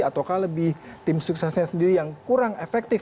ataukah lebih tim suksesnya sendiri yang kurang efektif